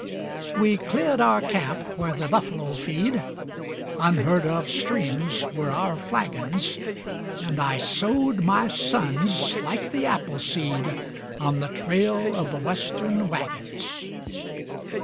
We cleared our camp where the buffalo feed, Unheard of streams were our flagons; And I sowed my sons like the apple seed On the trail of the Western wagons.